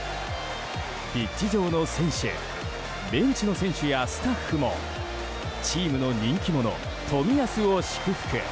ピッチ上の選手ベンチの選手やスタッフもチームの人気者、冨安を祝福。